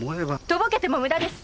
とぼけても無駄です。